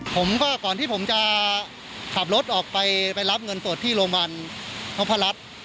ก่อนที่ผมจะขับรถออกไปไปรับเงินสดที่โรงพยาบาลนพรัช